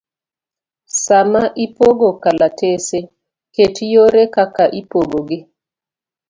Sama ipogo kalatese, ket yore kaka ibopoggi.